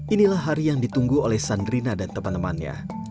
inilah hari yang ditunggu oleh sandrina dan teman temannya